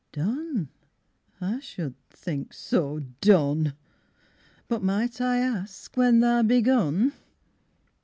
Done, I should think so Done! But might I ask when tha begun?